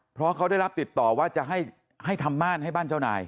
เพราะเขาได้รับติดต่อว่าจะให้ทำม่านให้บ้านเจ้านาย